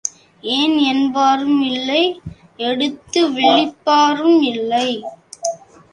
ஏன் என்பாரும் இல்லை எடுத்து விழிப்பாரும் இல்லை.